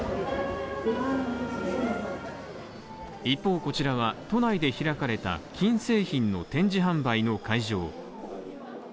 一方こちらは、都内で開かれた金製品の展示販売の会場。